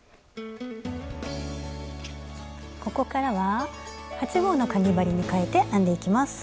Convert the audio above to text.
ここからは８／０号のかぎ針に変えて編んでいきます。